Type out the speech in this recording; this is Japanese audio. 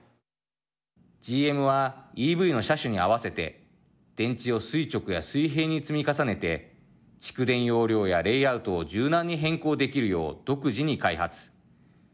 ＧＭは、ＥＶの車種に合わせて電池を垂直や水平に積み重ねて蓄電容量やレイアウトを柔軟に変更できるよう独自に開発。